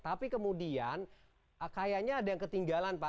tapi kemudian kayaknya ada yang ketinggalan pak